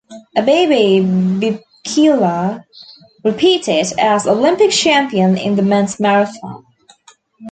Abebe Bikila repeated as Olympic champion in the men's marathon.